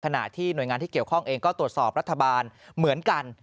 ขณะที่หน่วยงานที่เกี่ยวข้องเองก็ตรวจสอบรัฐบาลเหมือนกัน